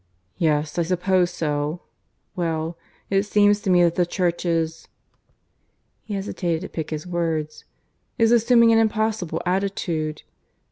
"Yes, I suppose so. Well, it seems to me that the Church is ..." (he hesitated, to pick his words) "is assuming an impossible attitude.